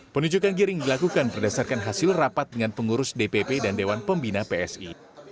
penunjukan giring dilakukan berdasarkan hasil rapat dengan pengurus dpp dan dewan pembina psi